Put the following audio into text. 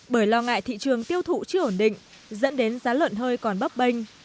bởi lo ngại thị trường tiêu thụ chưa ổn định dẫn đến giá lợn hơi còn bấp bênh